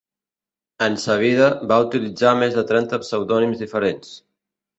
En sa vida va utilitzar més de trenta pseudònims diferents.